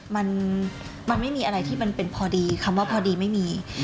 มันมันไม่มีอะไรที่มันเป็นพอดีคำว่าพอดีไม่มี